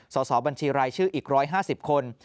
สอบบัญชีรายชื่ออีก๑๕๐คน